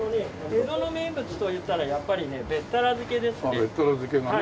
江戸の名物といったらやっぱりねべったら漬けですね。